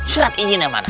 surat izinnya mana